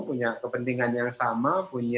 punya kepentingan yang sama